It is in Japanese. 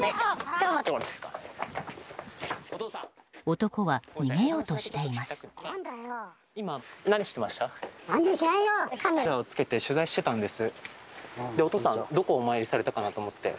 男は逃げようとしています。